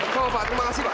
terima kasih pak